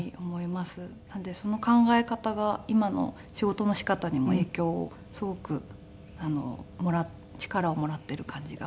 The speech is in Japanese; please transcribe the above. なのでその考え方が今の仕事の仕方にも影響をすごく力をもらっている感じが。